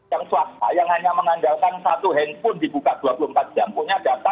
yang swasta yang hanya mengandalkan satu handphone dibuka dua puluh empat jam punya data